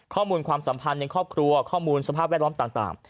ความสัมพันธ์ในครอบครัวข้อมูลสภาพแวดล้อมต่าง